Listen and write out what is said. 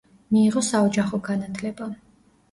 მიიღო საოჯახო განათლება.